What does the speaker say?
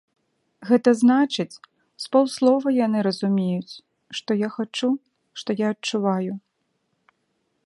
Гэта значыць, з паўслова яны разумеюць, што я хачу, што я адчуваю.